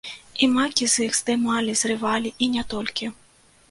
І майкі з іх здымалі, зрывалі і не толькі.